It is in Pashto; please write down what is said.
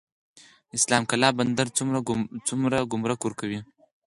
اسلام قلعه بندر څومره ګمرک ورکوي؟